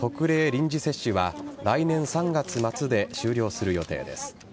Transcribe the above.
臨時接種は来年３月末で終了する予定です。